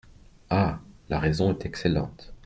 Ah ! la raison est excellente.